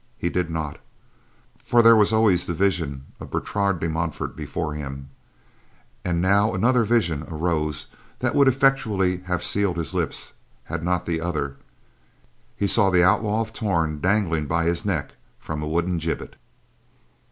He did not, for there was always the vision of Bertrade de Montfort before him; and now another vision arose that would effectually have sealed his lips had not the other—he saw the Outlaw of Torn dangling by his neck from a wooden gibbet.